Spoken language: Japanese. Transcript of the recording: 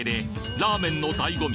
ラーメンの醍醐味